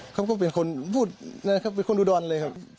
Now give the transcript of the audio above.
เขาก็เป็นคนพูดนะครับเป็นคนอุดรเลยครับ